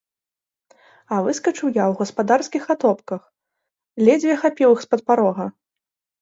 А выскачыў я ў гаспадарскіх атопках, ледзьве хапіў іх з-пад парога.